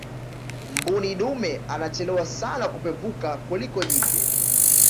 mbuni dume anachelewa sana kupevuka kuliko jike